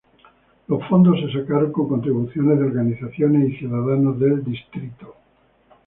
Los fondos se sacaron con contribuciones de organizaciones y ciudadanos del Distrito.